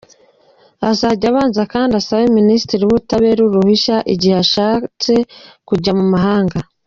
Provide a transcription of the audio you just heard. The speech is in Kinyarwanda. Azajya abanza kandi asabe ministre w’ubutabera uruhusa igihe ashatse kujya mu mahanga.